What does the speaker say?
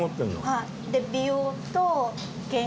はい。